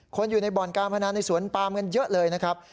คนอยู่ในบ่อนการพนันในสวนปามกันเยอะเลยนะครับ